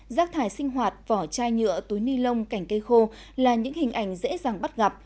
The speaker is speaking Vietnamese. rác thải sinh hoạt vỏ chai nhựa túi ni lông cảnh cây khô là những hình ảnh dễ dàng bắt gặp